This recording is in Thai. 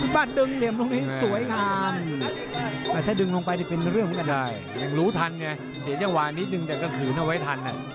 เสียจังหวานนิดนึงแต่ก็คืนเอาไว้ทัน